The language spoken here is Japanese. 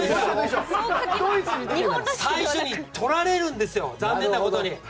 最初に取られるんです残念なことに。